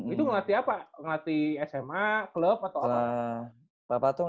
itu ngelatih apa ngelatih sma klub atau apa tuh